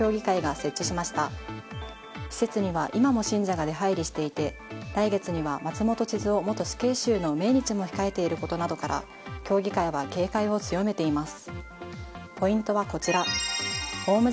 施設には今も信者が出入りしていて来月には松本智津夫元死刑囚の命日も控えていることなどから協議会は警戒を強めています。